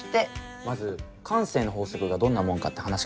まず慣性の法則がどんなもんかって話からなんだけど。